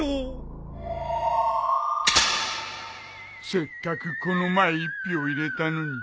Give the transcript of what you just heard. せっかくこの前１票入れたのに。